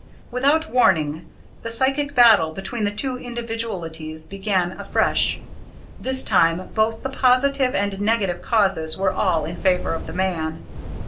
Without warning, the psychic battle between the two individualities began afresh. This time both the positive and negative causes were all in favour of the man.